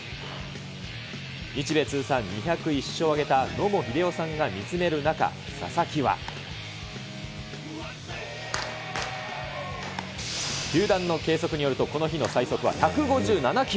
日米通算２０１勝を挙げた野茂英雄さんが見つめる中、佐々木は、球団の計測によると、この日の最速は１５７キロ。